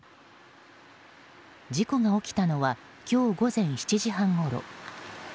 事故が起きたのは今日午前７時半ごろ。